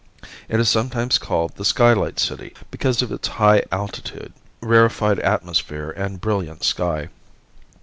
It is sometimes called the Skylight City because of its high altitude, rarefied atmosphere and brilliant sky.